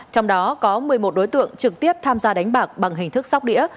trong đó có một mươi một đối tượng trực tiếp tham gia đánh bạc bằng hình thức sóc đĩa